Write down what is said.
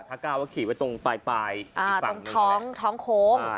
อาการว่าขีดไว้ตรงปลายอีกฝั่งนึงแหละอ่าตรงท้องท้องโค้ง